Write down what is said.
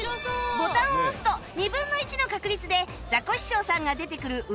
ボタンを押すと２分の１の確率でザコシショウさんが出てくる運